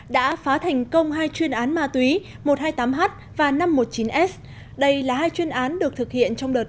đã phá thành công hai chuyên án ma túy một trăm hai mươi tám h và năm trăm một mươi chín s đây là hai chuyên án được thực hiện trong đợt